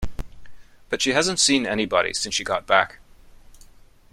But she hasn't seen anybody since she got back.